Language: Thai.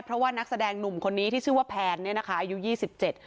เพราะว่านักแสดงหนุ่มคนนี้ที่ชื่อว่าแพนเนี่ยนะคะอายุยี่สิบเจ็ด